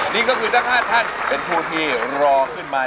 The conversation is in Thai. นี่ก็คือทั้ง๕ท่านเป็นผู้ที่รอขึ้นมา